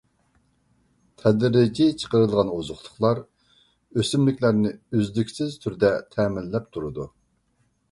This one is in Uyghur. تەدرىجىي چىقىرىلغان ئوزۇقلۇقلار ئۆسۈملۈكلەرنى ئۈزلۈكسىز تۈردە تەمىنلەپ تۇرىدۇ.